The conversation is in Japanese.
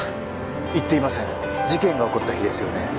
行っていません事件が起こった日ですよね？